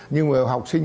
nhưng mà học sinh